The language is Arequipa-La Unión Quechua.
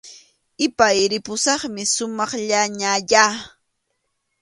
Ipay, ripusaqmi sumaqllañayá